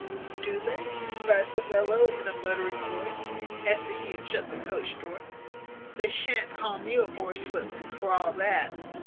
`Do they?' cries the fellow, in a muttering voice, after he had shut the coach door, `they shan't call me a whore's footman for all that.'"